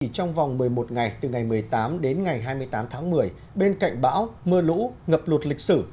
trong vòng một mươi một ngày từ ngày một mươi tám đến ngày hai mươi tám tháng một mươi bên cạnh bão mưa lũ ngập lụt lịch sử